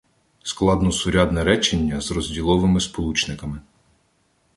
Складносурядне речення з розділовими сполучниками